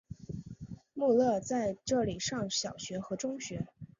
穆勒在这里上小学和中学。